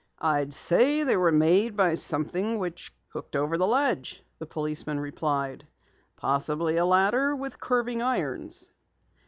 "I'd say they were made by something which hooked over the ledge," the policeman replied. "Possibly a ladder with curving irons."